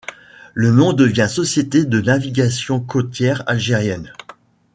Le nom devient Société de navigation côtière algérienne.